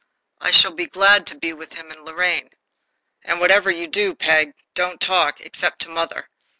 I shall be glad to be with him and Lorraine. "And whatever you do. Peg, don't talk, except to mother.